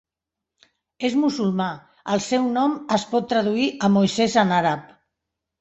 És musulmà. El seu nom es pot traduir a Moisès en àrab.